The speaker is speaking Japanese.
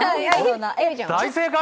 大正解！